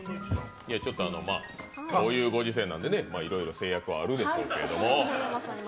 こういうご時世なんでいろいろ制約はありますけど。